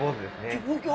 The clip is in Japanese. ギョギョ！